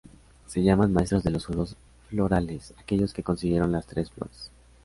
Se llaman "maestros de los juegos Florales" aquellos que consiguieron las tres flores.